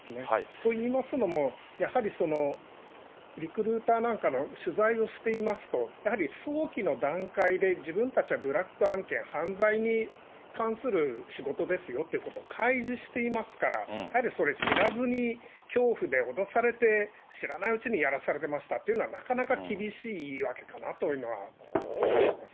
といいますのも、やはりリクルーターなんかの取材をしていますと、やはり早期の段階で、自分たちはブラック案件、犯罪に関する仕事ですよっていうことを開示していますから、やはりそれを知らずに恐怖で脅されて、知らないうちにやらされてましたっていうのは、なかなか厳しい言い訳かなというのは感じます。